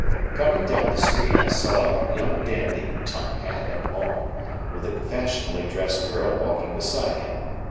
Coming down the street I saw a young dandy, top hat and all, with a fashionably dressed girl walking beside him.